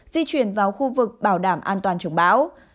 di chuyển vào khu vực bảo đảm an toàn chống bão